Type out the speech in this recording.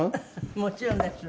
もちろんです。